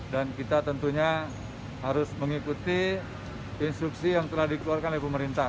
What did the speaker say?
dan kita tentunya harus mengikuti instruksi yang telah dikeluarkan oleh pemerintah